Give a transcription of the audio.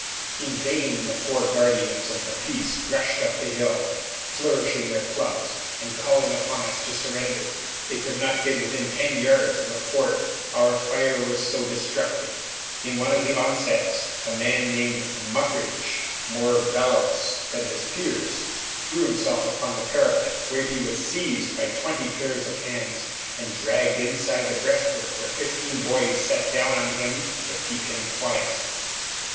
In vain the four guardians of the peace rushed up the hill, flourishing their clubs and calling upon us to surrender. They could not get within ten yards of the fort, our fire was so destructive. In one of the onsets a man named Mugridge, more valorous than his peers, threw himself upon the parapet, when he was seized by twenty pairs of hands, and dragged inside the breastwork, where fifteen boys sat down on him to keep him quiet.